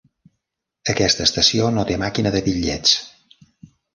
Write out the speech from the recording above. Aquesta estació no té màquina de bitllets.